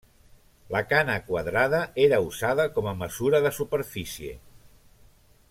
La cana quadrada era usada com a mesura de superfície.